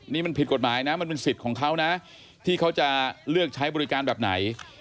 นี่มันผิดกฎหมายนะมันเป็นสิทธิ์ของเขานะที่เขาจะเลือกใช้บริการแบบไหน